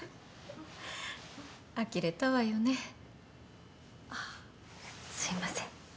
あきれたわよね。あっすみません。